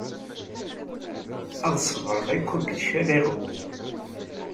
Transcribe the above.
Ad ṣebreɣ i kullec ala i ɣewwu.